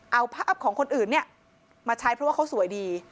เอาภาพของคนอื่นเนี่ยมาใช้เพราะว่าเขาสวยดี